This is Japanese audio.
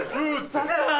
残念だな！